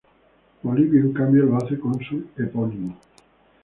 Polibio, en cambio, lo hace cónsul epónimo.